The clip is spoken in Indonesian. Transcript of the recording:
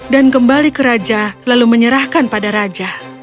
dan kembali ke raja lalu menyerahkan pada raja